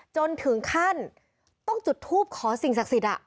จนถึงขั้นต้องจุดทูปขอสิ่งศักดิ์สิทธิ์